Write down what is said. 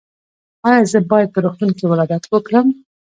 ایا زه باید په روغتون کې ولادت وکړم؟